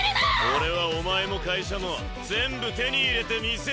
俺はお前も会社も全部手に入れてみせるぞ。